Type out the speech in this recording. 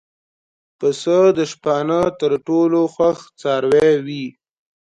پسه د شپانه تر ټولو خوښ څاروی وي.